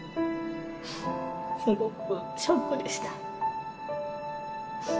すごくショックでした。